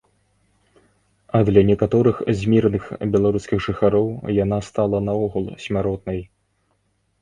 А для некаторых з мірных беларускіх жыхароў яна стала наогул смяротнай.